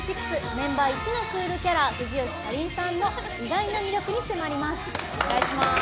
メンバーイチのクールキャラ藤吉夏鈴さんの意外な魅力に迫ります。